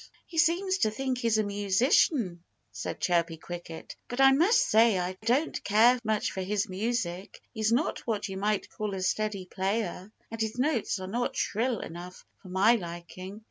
"He seems to think he's a musician," said Chirpy Cricket. "But I must say I don't care much for his music. He's not what you might call a steady player. And his notes are not shrill enough for my liking.